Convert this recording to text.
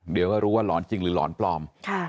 เดี๋ยวก็รู้ว่าหลอนจริงหรือหลอนปลอม